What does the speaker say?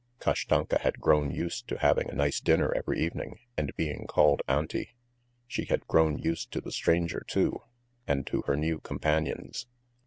Kashtanka had grown used to having a nice dinner every evening, and being called Auntie. She had grown used to the stranger too, and to her new companions.